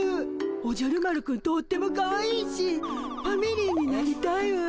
おじゃる丸くんとってもかわいいしファミリーになりたいわ。